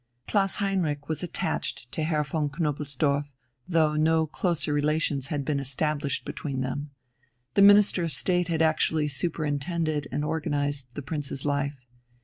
Klaus Heinrich was attached to Herr von Knobelsdorff, though no closer relations had been established between them. The Minister of State had actually superintended and organized the Prince's life.